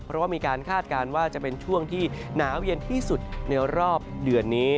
เพราะว่ามีการคาดการณ์ว่าจะเป็นช่วงที่หนาวเย็นที่สุดในรอบเดือนนี้